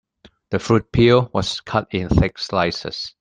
The fruit peel was cut in thick slices.